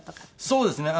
そうですね。